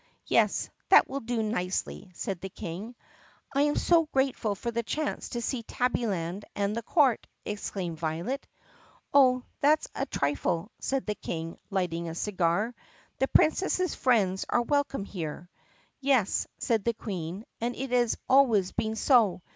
"Yes, that will do nicely," said the King. "I am so grateful for this chance to see Tabbyland and the court!" exclaimed Violet. "Oh, that 's a trifle," said the King lighting a cigar. "The Princess's friends are welcome here." "Yes," said the Queen, "and it has always been so.